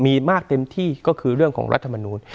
มีมากเต็มที่ก็คือเรื่องของรัฐมนูล